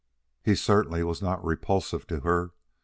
He was certainly not repulsive to her.